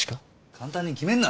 簡単に決めんな！